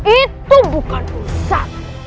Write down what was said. itu bukan urusan